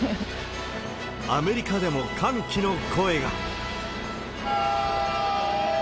アメリカでも歓喜の声が。